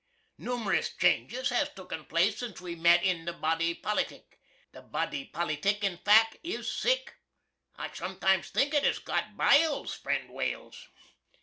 Numeris changes has tooken place since we met in the body politic. The body politic, in fack, is sick. I sometimes think it has got biles, friend Wales.